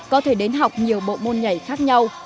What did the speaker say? có thể đến học nhiều bộ môn nhảy khác nhau